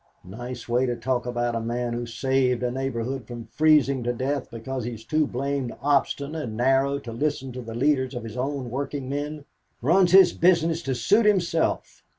Nice way to talk about a man who saved a neighborhood from freezing to death because he's too blamed obstinate and narrow to listen to the leaders of his own workingmen. 'Runs his business to suit himself!'